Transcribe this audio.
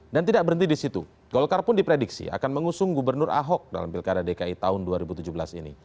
dan tidak berhenti di situ golkar pun diprediksi akan mengusung gubernur ahok dalam pilkada dki tahun dua ribu tujuh belas ini